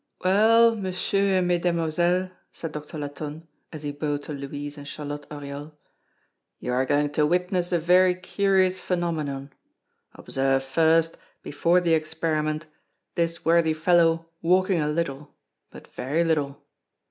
"Well, Messieurs and Mesdemoiselles," said Doctor Latonne, as he bowed to Louise and Charlotte Oriol, "you are going to witness a very curious phenomenon. Observe first, before the experiment, this worthy fellow walking a little, but very little.